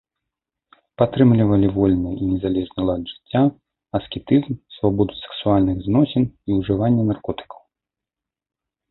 Падтрымлівалі вольны і незалежны лад жыцця, аскетызм, свабоду сексуальных зносін і ўжывання наркотыкаў.